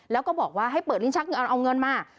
แล้วก็บอกว่าให้เปิดลิ้นชักเงินเอาเงินมา